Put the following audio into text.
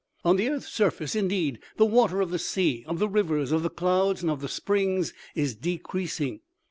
" On the earth's surface, indeed, the water of the sea, of the rivers, of the clouds, and of the springs, is decreasing.